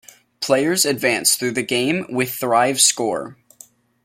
Players advance through the game with Thrive Score.